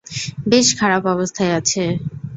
বেশ খারাপ অবস্থায় আছে!